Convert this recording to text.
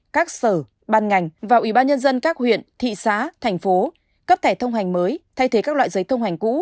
các sở ban ngành và ubnd các huyện thị xã thành phố cấp thẻ thông hành mới thay thế các loại giấy thông hành cũ